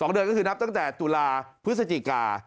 เดือนก็คือนับตั้งแต่ตุลาพฤศจิกา